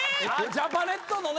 ジャパネットのね。